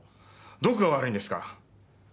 どこが悪いんですか？